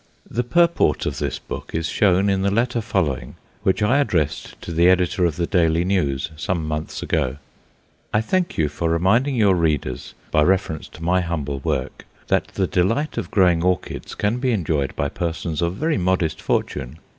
The purport of this book is shown in the letter following which I addressed to the editor of the Daily News some months ago: "I thank you for reminding your readers, by reference to my humble work, that the delight of growing orchids can be enjoyed by persons of very modest fortune.